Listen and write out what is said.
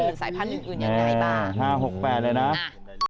หรือสายพันธุ์อื่นยังไงบ้าง